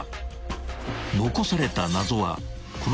［残された謎はこの］